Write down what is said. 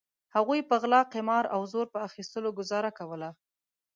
هغوی په غلا قمار او زور په اخیستلو ګوزاره کوله.